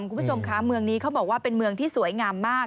คุณผู้ชมคะเมืองนี้เขาบอกว่าเป็นเมืองที่สวยงามมาก